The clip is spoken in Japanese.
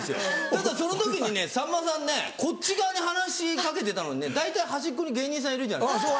ただその時にねさんまさんねこっち側に話し掛けてたのに大体端っこに芸人さんいるじゃないですか。